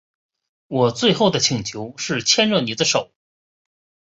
我最后的请求是牵着妳的手